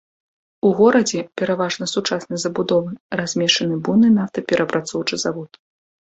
У горадзе, пераважна сучаснай забудовы, размешчаны буйны нафтаперапрацоўчы завод.